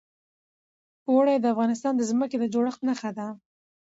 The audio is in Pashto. اوړي د افغانستان د ځمکې د جوړښت نښه ده.